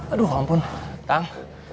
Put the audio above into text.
aduh ampun tang